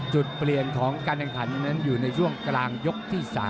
จุดเปลี่ยนของการแข่งขันนั้นอยู่ในช่วงกลางยกที่๓